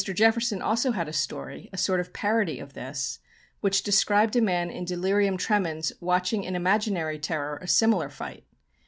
Jefferson also had a story, a sort of parody of this, which described a man in delirium tremens watching in imaginary terror a similar fight.